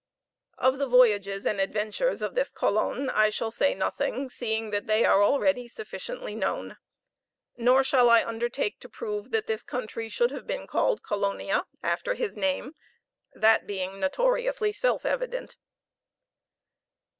Of the voyages and adventures of this Colon I shall say nothing, seeing that they are already sufficiently known. Nor shall I undertake to prove that this country should have been called Colonia, after his name, that being notoriously self evident.